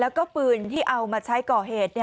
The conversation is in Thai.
แล้วก็ปืนที่เอามาใช้ก่อเหตุ